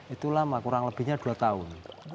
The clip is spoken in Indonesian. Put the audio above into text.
itu lama kurang lebihnya dua tahun